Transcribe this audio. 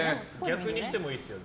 逆にしてもいいですよ。